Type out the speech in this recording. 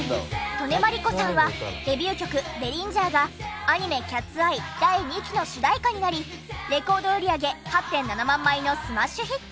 刀根麻理子さんはデビュー曲『デリンジャー』がアニメ『キャッツ・アイ』第２期の主題歌になりレコード売り上げ８．７万枚のスマッシュヒット。